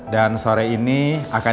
dan sore ini akan